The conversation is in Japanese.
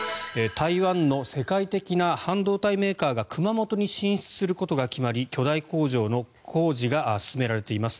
台湾の世界的な半導体メーカーが熊本に進出することが決まり巨大工場の工事が進められています。